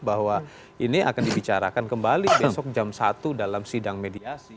bahwa ini akan dibicarakan kembali besok jam satu dalam sidang mediasi